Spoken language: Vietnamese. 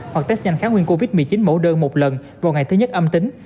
hoặc test nhanh kháng nguyên covid một mươi chín mẫu đơn một lần vào ngày thứ nhất âm tính